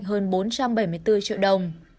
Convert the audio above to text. hơn bốn trăm bảy mươi bốn triệu đồng